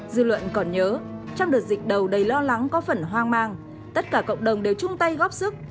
dư luận còn nhớ trong đợt dịch đầu đầy lo lắng có phần hoang mang tất cả cộng đồng đều chung tay góp sức